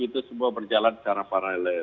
kita harus mencoba berjalan secara paralel